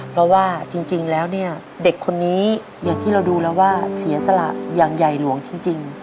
เพราะว่าจริงแล้วเนี่ยเด็กคนนี้อย่างที่เราดูแล้วว่าเสียสละอย่างใหญ่หลวงจริง